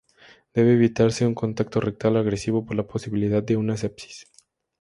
Debe evitarse un tacto rectal agresivo por la posibilidad de una sepsis.